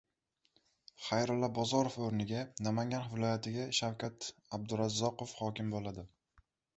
Xayrullo Bozorov o‘rniga Namangan viloyatiga Shavkat Abdurazzoqov hokim bo‘ladi